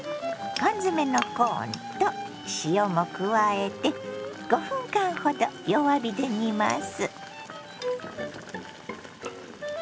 缶詰のコーンと塩も加えて５分間ほど弱火で煮ます。